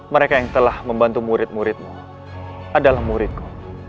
mereka yang telah membantu murid muridmu adalah muridmu